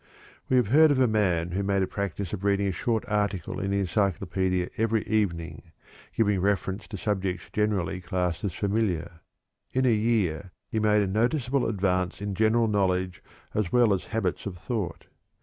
We have heard of a man who made a practice of reading a short article in the encyclopedia every evening, giving preference to subjects generally classed as familiar. In a year he made a noticeable advance in general knowledge as well as habits of thought.